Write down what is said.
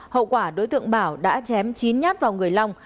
hậu quả đối tượng bảo đã chém chín nhát vào người long